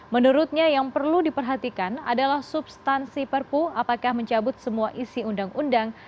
menurutnya yang perlu diperhatikan adalah substansi perpu apakah mencabut semua isi undang undang